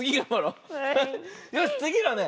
よしつぎはね